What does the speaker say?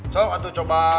so atuh coba